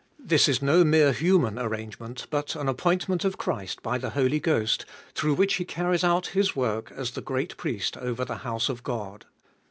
This is no mere human arrangement, but an appointment of Christ by the Holy Ghost, through which He carries out His work as the great Priest over the house of God.